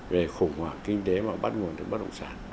về khủng hoảng kinh tế mà bắt nguồn từ bất động sản